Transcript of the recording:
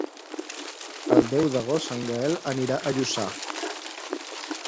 El deu d'agost en Gaël anirà a Lluçà.